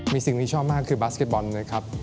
มีสิ่งที่ชอบมากคือบาสเก็ตบอลนะครับ